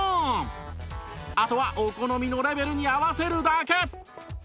あとはお好みのレベルに合わせるだけ